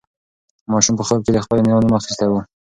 ماشوم په خوب کې د خپلې نیا نوم اخیستی و.